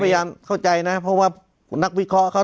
พยายามเข้าใจนะเพราะว่านักวิเคราะห์เขา